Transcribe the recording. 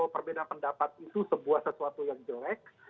perbedaan pendapat itu sebuah sesuatu yang jelek